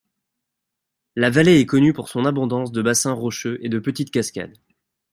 La vallée est connue pour son abondance de bassins rocheux et de petites cascades.